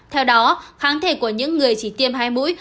theo đó kháng thể của những người chỉ tiêm hai mũi